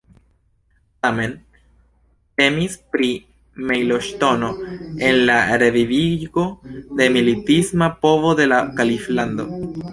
Tamen temis pri mejloŝtono en la revivigo de la militista povo de la kaliflando.